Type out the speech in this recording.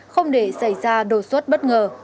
không để xảy ra đột xuất bất ngờ